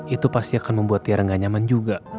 itu pasti akan membuat tiara gak nyaman juga